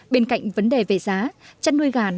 bên cạnh vấn đề về giá chăn nuôi gà nói riêng